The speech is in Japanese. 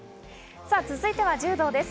続いては柔道です。